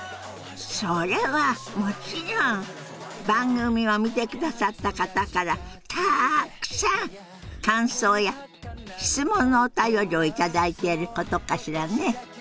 それはもちろん番組を見てくださった方からたくさん感想や質問のお便りを頂いていることかしらね。